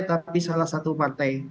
tapi salah satu partai